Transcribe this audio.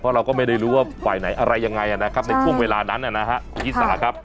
เพราะเราก็ไม่ได้รู้ว่าไหวไหนอะไรยังไงอ่ะนะครับในช่วงเวลานั้นอ่ะนะฮะคุณอิสราครับ